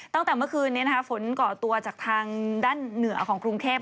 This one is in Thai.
ตั้งแต่เมื่อคืนนี้นะคะฝนก่อตัวจากทางด้านเหนือของกรุงเทพ